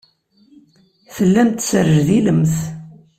Tellamt tesrejdilemt.